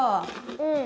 うん。